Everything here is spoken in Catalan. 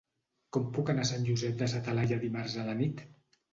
Com puc anar a Sant Josep de sa Talaia dimarts a la nit?